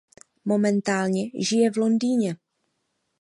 Momentálně žije v Londýně.